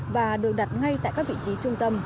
và được đặt ngay tại các vị trí trung tâm